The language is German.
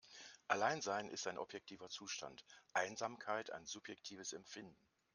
Alleinsein ist ein objektiver Zustand, Einsamkeit ein subjektives Empfinden.